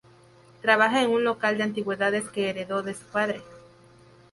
Trabaja en un local de antigüedades que heredó de su padre.